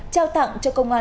trao tặng cho công an